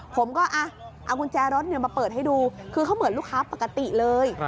ผมก็เอากุญแจรถมาเปิดให้ดูคือเขาเหมือนลูกค้าปกติเลย